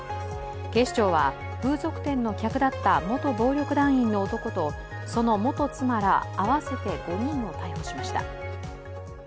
警視庁は風俗店の客だった元暴力団員だった男とその元妻ら合わせて５人を逮捕しまた。